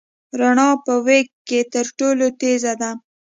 رڼا په وېګ کې تر ټولو تېز ده.